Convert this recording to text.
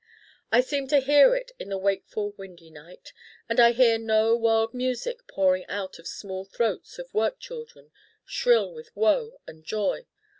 I seem to hear it in the wakeful windy night. And I hear no world music pouring out of small throats of work children shrill with woe and joy.